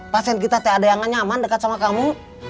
pasien kita ada yang nyaman dekat sama kamu